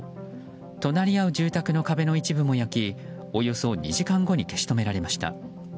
隣り合う住宅の壁の一部も焼きおよそ２時間後に消し止められました。